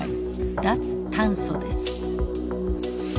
脱炭素です。